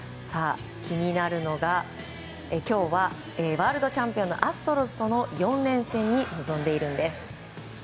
気になるのが今日はワールドチャンピオンのアストロズとの４連戦に臨んでいるんです。